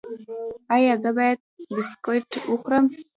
ایا زه باید بسکټ وخورم؟